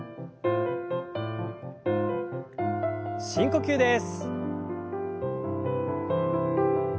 深呼吸です。